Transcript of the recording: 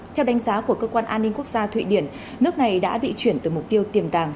theo đánh giá của cơ quan an ninh quốc gia thụy điển nước này đã bị chuyển từ mục tiêu tiềm tàng